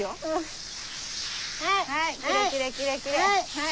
はい。